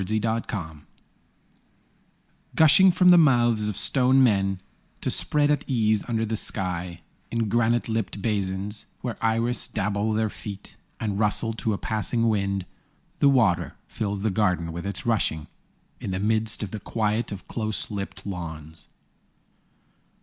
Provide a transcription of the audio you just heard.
In a Garden Gushing from the mouths of stone men To spread at ease under the sky In granite lipped basins, Where iris dabble their feet And rustle to a passing wind, The water fills the garden with its rushing, In the midst of the quiet of close clipped lawns.